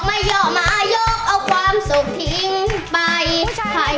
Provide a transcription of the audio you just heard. ไม่ยอมมายกเอาความสุขทิ้งไปใช่